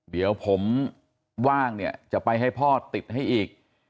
เดี๋ยวผมว่างเนี่ยจะไปให้พ่อติดให้อีก